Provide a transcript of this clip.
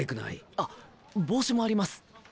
あ帽子もあります！